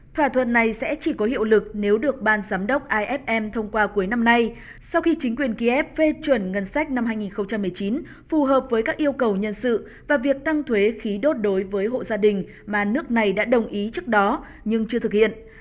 thỏa thuận này sẽ chỉ có hiệu lực nếu được ban giám đốc ifm thông qua cuối năm nay sau khi chính quyền kiev phê chuẩn ngân sách năm hai nghìn một mươi chín phù hợp với các yêu cầu nhân sự và việc tăng thuế khí đốt đối với hộ gia đình mà nước này đã đồng ý trước đó nhưng chưa thực hiện